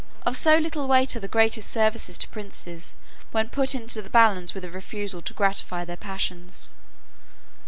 Of so little weight are the greatest services to princes, when put into the balance with a refusal to gratify their passions.